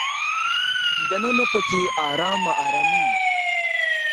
دننه په کې ارامه ارامي وي.